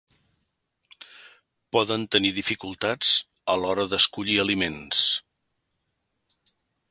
Poden tenir dificultats a l'hora d'escollir aliments.